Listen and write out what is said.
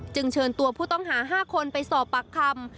เชิญตัวผู้ต้องหา๕คนไปสอบปากคำ